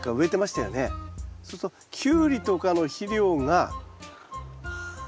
そうするとキュウリとかの肥料が。はあ。